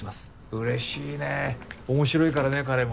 うれしいね面白いからね彼も。